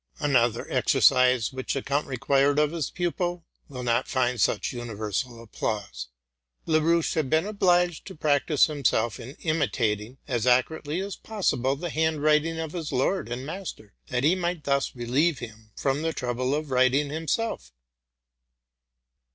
Another exercise which the count required of his pupil will not find such universal applause. Laroche had been obliged to practise himself in imitating, as accurately as pos sible. the handwriting of his lord and master, that he might thus relieve him from the trouble of writing himself.